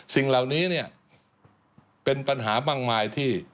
สิ่งเหล่านี้เป็นปัญหาบางมายที่